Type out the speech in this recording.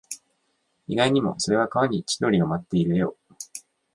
意外にも、それは川に千鳥が舞っている絵を